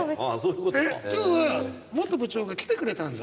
今日は元部長が来てくれたんだ。